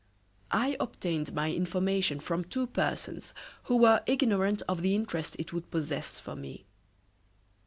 "I obtained my information from two persons who were ignorant of the interest it would possess for me."